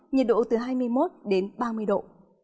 nhiệt độ từ hai mươi một đến ba mươi độ